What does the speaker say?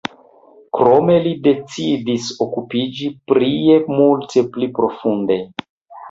Krome li decidis okupiĝi prie multe pli profunde.